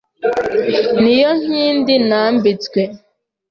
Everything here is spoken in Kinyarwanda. Niyo nkindi nambitswe